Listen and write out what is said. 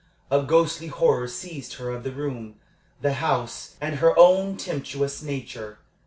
A ghostly horror seized her of the room, the house, and her own tempestuous nature.